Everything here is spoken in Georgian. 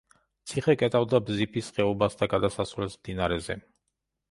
ციხე კეტავდა ბზიფის ხეობას და გადასასვლელს მდინარეზე.